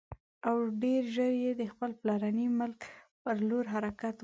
او ډېر ژر یې د خپل پلرني ملک پر لور حرکت وکړ.